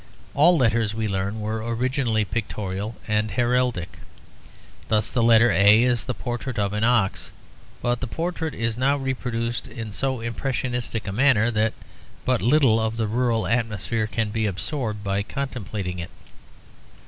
All letters, we learn, were originally pictorial and heraldic: thus the letter A is the portrait of an ox, but the portrait is now reproduced in so impressionist a manner that but little of the rural atmosphere can be absorbed by contemplating it.